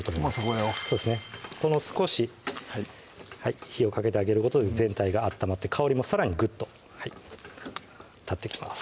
もうそこで少し火をかけてあげることで全体が温まって香りもさらにぐっと立ってきます